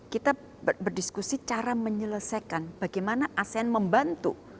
kita berdiskusi cara menyelesaikan bagaimana asean membantu